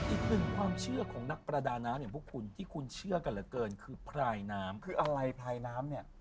อีกหนึ่งความเชื่อของนักประดาน้ำอย่างพวกคุณที่คุณเชื่อกันเหลือเกินคือพลายน้ำคืออะไรพลายน้ำเนี่ย